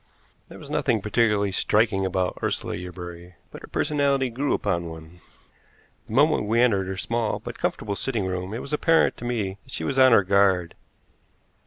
There was nothing particularly striking about Ursula Yerbury, but her personality grew upon one. The moment we entered her small but comfortable sitting room it was apparent to me that she was on her guard.